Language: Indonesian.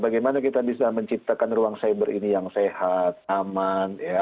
bagaimana kita bisa menciptakan ruang cyber ini yang sehat aman